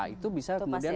itu bisa kemudian